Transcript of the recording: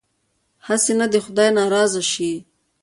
هسې نه خدای ناراضه شي.